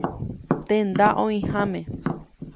Tenda oĩháme.